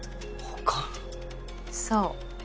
そう。